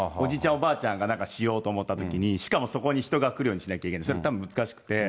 おばあちゃんがなんかしようと思ったときに、しかもそこに人が来るようにしなきゃいけない、それはたぶん、難しくて。